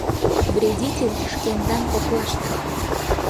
Вредитель шкендан коклаштак...